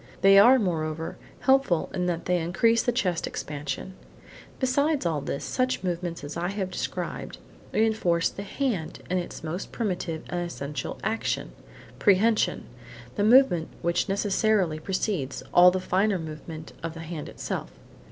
They are, moreover, helpful in that they increase the chest expansion. Besides all this, such movements as I have described, reinforce the hand in its most primitive and essential action, prehension; –the movement which necessarily precedes all the finer move ments of the hand itself.